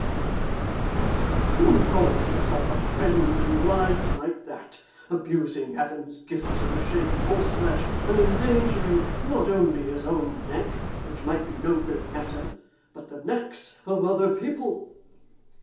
repeated the voice. 'Who calls himself a friend and rides like that, abusing Heaven's gifts in the shape of horseflesh, and endangering, not only his own neck (which might be no great matter) but the necks of other people?